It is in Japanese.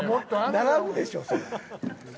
並ぶでしょそりゃ。